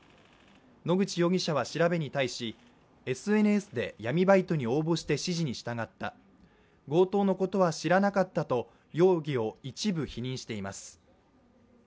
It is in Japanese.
野口容疑者は調べに対し、ＳＮＳで闇バイトに応募して指示に従った、強盗のことは知らなかったと容疑を一部否認しています。